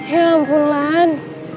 ya ampun lan